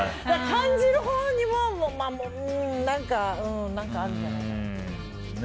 感じるほうにも何かあるんじゃないかな。